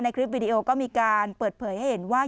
คลิปวิดีโอก็มีการเปิดเผยให้เห็นว่า